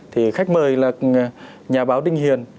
thì khách mời là nhà báo đinh hiền